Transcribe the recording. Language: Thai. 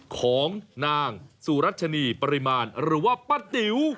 ของนางสุรัชนีปริมาณหรือว่าป้าติ๋ว